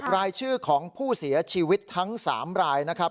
รายชื่อของผู้เสียชีวิตทั้ง๓รายนะครับ